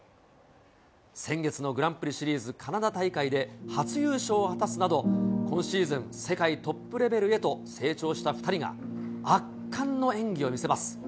先月のグランプリシリーズカナダ大会で初優勝を果たすなど、今シーズン、世界トップレベルへと成長した２人が、圧巻の演技を見せます。